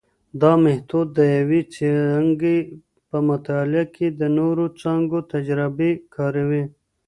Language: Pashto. دا مېتود د یوه څانګې په مطالعه کې د نورو څانګو تجربې کاروي.